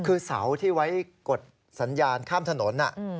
คือเสาที่ไว้กดสัญญาณข้ามถนน